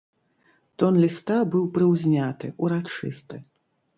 Тон ліста быў прыўзняты, урачысты.